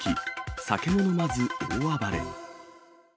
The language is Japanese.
酒も飲まず大暴れ。